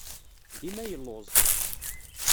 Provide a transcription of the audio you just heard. Dima yelluẓ.